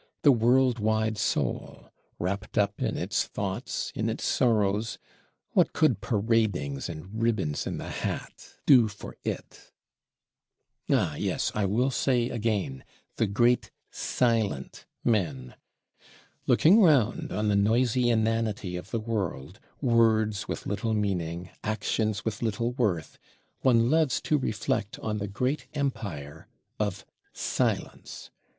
The world wide soul, wrapt up in its thoughts, in its sorrows; what could paradings and ribbons in the hat, do for it? Ah yes, I will say again: The great silent men! Looking round on the noisy inanity of the world, words with little meaning, actions with little worth, one loves to reflect on the great Empire of Silence.